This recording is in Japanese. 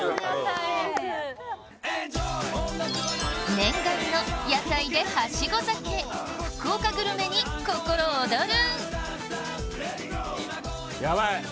念願の屋台ではしご酒福岡グルメに心おどる！